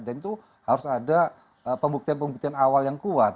dan itu harus ada pembuktian pembuktian awal yang kuat